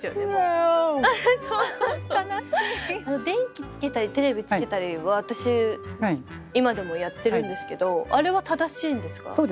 電気つけたりテレビつけたりは私今でもやってるんですけどあれは正しいんですか？